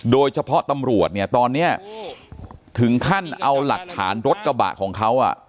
โดยเฉพาะตำรวจเนี่ยตอนเนี่ยถึงขั้นเอาหลักฐานรถกระบากของเขา